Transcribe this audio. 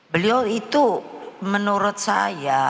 beliau itu menurut saya